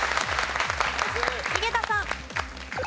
井桁さん。